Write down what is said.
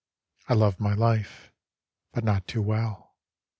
I love my life, but not too well.